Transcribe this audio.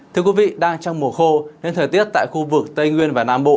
thưa quý vị đang trong mùa khô nên thời tiết tại khu vực tây nguyên và nam bộ